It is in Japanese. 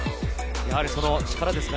やはりその力ですかね。